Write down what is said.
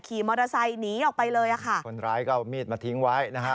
ขี่มอเตอร์ไซค์หนีออกไปเลยอ่ะค่ะคนร้ายก็เอามีดมาทิ้งไว้นะฮะ